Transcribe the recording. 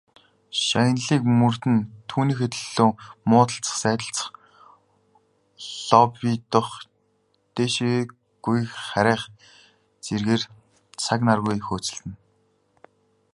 Шагналыг мөрөөднө, түүнийхээ төлөө муудалцах, сайдалцах, лоббидох, дээшээ гүйх харайх зэргээр цаг наргүй хөөцөлдөнө.